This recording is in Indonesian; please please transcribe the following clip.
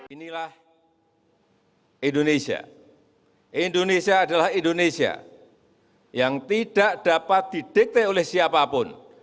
inilah indonesia indonesia adalah indonesia yang tidak dapat didikte oleh siapapun